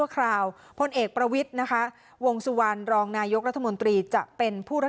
การนายกธมนตรีแทนค่ะ